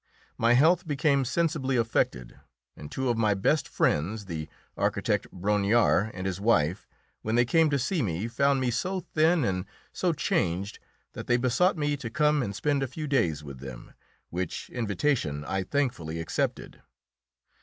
My health became sensibly affected, and two of my best friends, the architect Brongniart and his wife, when they came to see me, found me so thin and so changed that they besought me to come and spend a few days with them, which invitation I thankfully accepted.